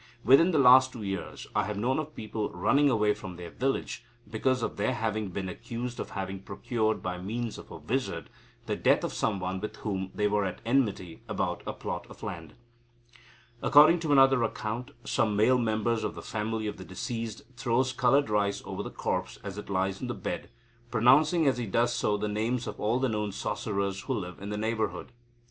Within the last two years, I have known of people running away from their village because of their having been accused of having procured by means of a wizard the death of some one with whom they were at enmity about a plot of land." According to another account, "some male member of the family of the deceased throws coloured rice over the corpse as it lies on the bed, pronouncing as he does so the names of all the known sorcerers who live in the neighbourhood.